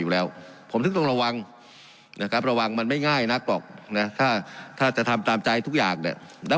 และแก้ปัญหาเรกด่วน